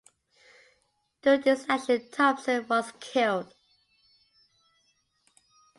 During this action Thomson was killed.